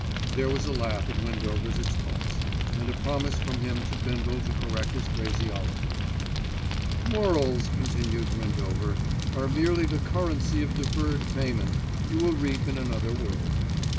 There was a laugh at Windover's expense, and a promise from him to Bindle to correct his phraseology. "Morals," continued Windover, "are merely the currency of deferred payment—you will reap in another world."